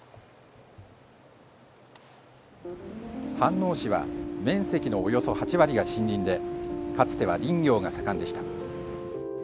飯能市は面積のおよそ８割が森林でかつては林業が盛んでした。